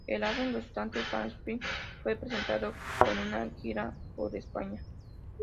El álbum resultante, "Fast Swimming", fue presentado con una gira por España.